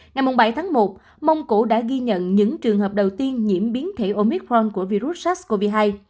ngày bảy tháng một mông cổ đã ghi nhận những trường hợp đầu tiên nhiễm biến thể omicron của virus sars cov hai